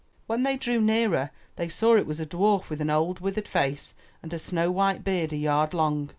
When they drew nearer they saw it was a dwarf with an old withered face and a snow white beard a yard long.